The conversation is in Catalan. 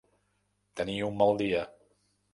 Tenir un mal dia.